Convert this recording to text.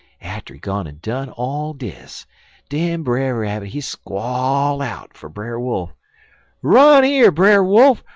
Atter he gone en done all dis, den Brer Rabbit he squall out fer Brer Wolf: "'Run yer, Brer Wolf!